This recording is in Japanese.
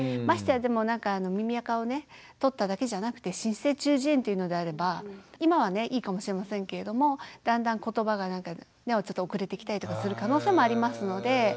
ましてや耳あかをね取っただけじゃなくて滲出性中耳炎というのであれば今はねいいかもしれませんけれどもだんだん言葉が遅れてきたりとかする可能性もありますので。